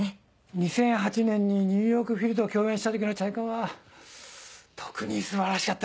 ２００８年にニューヨークフィルと共演した時の『チャイコン』は特に素晴らしかった。